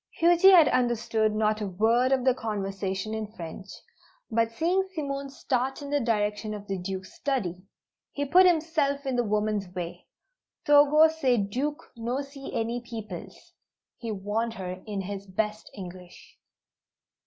Huji had understood not a word of the conversation in French, but seeing Simone start in the direction of the Duke's "study," he put himself in the woman's way. "Togo say Duke no see any peoples," he warned her in his best English.